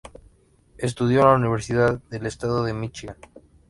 Estudió en la Universidad del Estado de Míchigan.